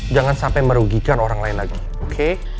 jangan sampai merugikan orang lain lagi oke